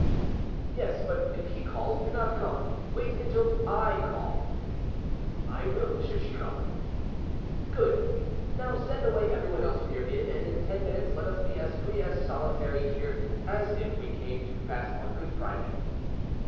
"Yes, but if he calls, do not come—wait until I call."—"I will, M. Chicot." "Good! now send away every one else from your inn, and in ten minutes let us be as free and as solitary here as if we came to fast on Good Friday."